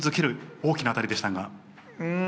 大きな当たりでしたが。